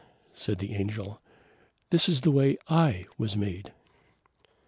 said the Angel: "this is the way I was made."